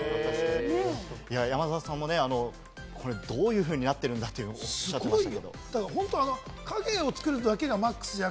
山里さんも、どういうふうになってるんだっておっしゃってました。